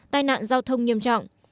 tai nạn giao thông nghiêm trọng